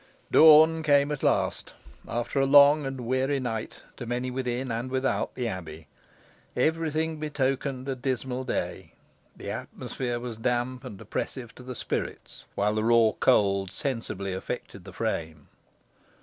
Dawn came at last, after a long and weary night to many within and without the abbey. Every thing betokened a dismal day. The atmosphere was damp, and oppressive to the spirits, while the raw cold sensibly affected the frame.